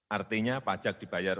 artinya pajak dibayar